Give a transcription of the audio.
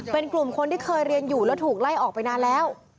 เป็นกลุ่มคนที่เคยเรียนอยู่แล้วถูกไล่ออกไปนานแล้ว